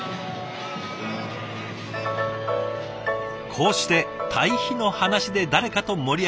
こうして堆肥の話で誰かと盛り上がる。